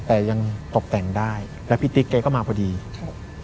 แต่ยังตกแต่งได้แล้วพี่ติ๊กแกก็มาพอดีครับ